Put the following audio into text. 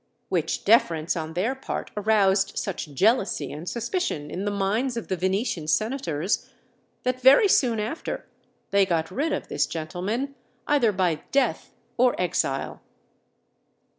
Which deference on their part aroused such jealousy and suspicion in the minds of the Venetian senators that very soon after they got rid of this gentleman, either by death or exile.